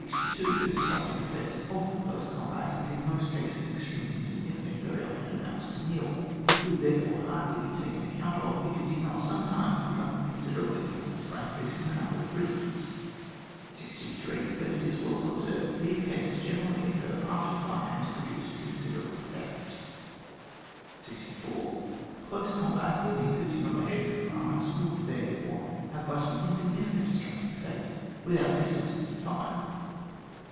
The destructive effect of the close combat is in most cases extreme ly insigpiificant, very often it amounts to nil ; it would, therefore, hardly be taken account of if it did not sometimes become of considerable importance by increasing the number of prisoners. 63. But it is well to observe that these cases generally occur after the fire has produced considerable effect. 64. Close combat in the existing re lation of arms would, therefore, have but an insignificant destructive effect without the assistance of fire.